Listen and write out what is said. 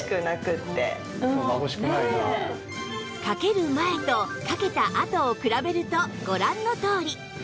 かける前とかけたあとを比べるとご覧のとおり